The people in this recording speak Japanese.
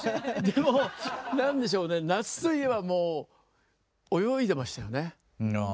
でも何でしょうね夏といえばもう泳いでましたよね。